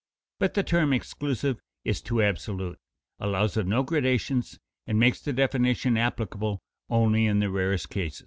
But the term "exclusive" is too absolute, allows of no gradations, and makes the definition applicable only in the rarest cases.